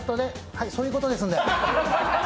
はい、そういうことですんで。